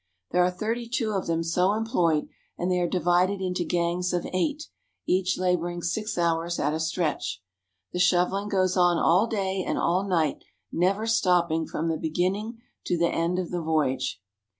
There are thirty two of them so employed, and they are divided ON A BIG OCEAN STEAMER 21 into gangs of eight, each laboring six hours at a stretch. The shoveHng goes on all day and all night, never stopping from the beginning to the end of the voyage.